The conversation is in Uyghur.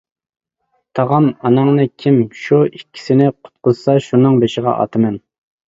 تاغام: ئاناڭنى، كىم شۇ ئىككىسىنى قۇتقۇزسا شۇنىڭ بېشىغا ئاتىمەن.